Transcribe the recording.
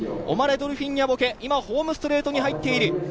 オマレ・ドルフィン・ニャボケ、今ホームストレートに入っている。